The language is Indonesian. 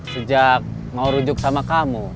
sejak mau rujuk sama kamu